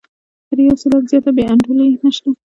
تر یو سېلاب زیاته بې انډولي نشته.